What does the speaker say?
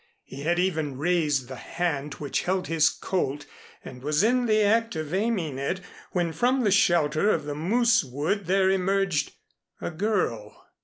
He had even raised the hand which held his Colt and was in the act of aiming it when from the shelter of the moose wood there emerged a girl.